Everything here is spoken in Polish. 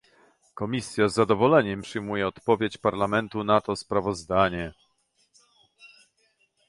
Komisja z zadowoleniem przyjmuje odpowiedź Parlamentu na to sprawozdanie